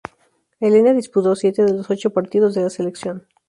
Elena disputó siete de los ocho partidos de la selección.